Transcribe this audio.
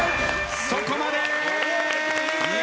そこまで！